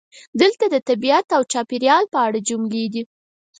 دلته د "طبیعت او چاپیریال" په اړه جملې دي: